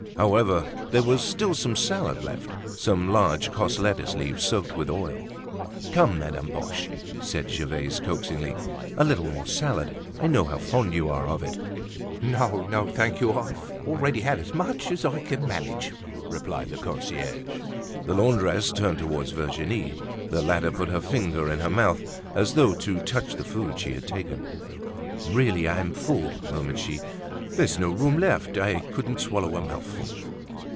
However, there was still some salad left, some large coss lettuce leaves soaked with oil. "Come, Madame Boche," said Gervaise, coaxingly, "a little more salad. I know how fond you are of it." "No, no, thank you! I've already had as much as I can manage," replied the concierge. The laundress turning towards Virginie, the latter put her finger in her mouth, as though to touch the food she had taken. "Really, I'm full," murmured she. "There's no room left. I couldn't swallow a mouthful."